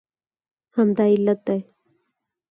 همدا علت دی